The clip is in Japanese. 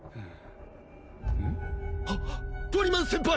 ポリマン先輩！